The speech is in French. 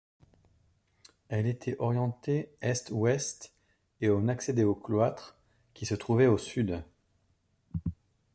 Elle était orientée est-ouest et on accédait au cloître qui se trouvait au sud.